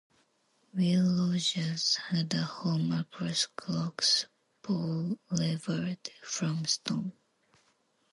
Will Rogers had a home across Clocks Boulevard from Stone.